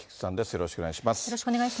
よろしくお願いします。